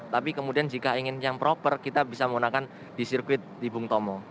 tapi kemudian jika ingin yang proper kita bisa menggunakan di sirkuit di bung tomo